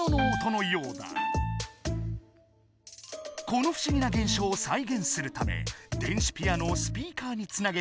この不思議な現象をさい現するため電子ピアノをスピーカーにつなげていざ